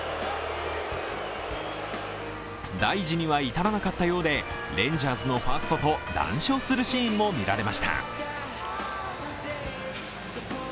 大事には至らなかったようで、レンジャーズのファーストと談笑するシーンも見られました。